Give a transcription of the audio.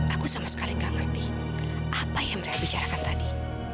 aku sama sekali gak ngerti apa yang mereka bicarakan tadi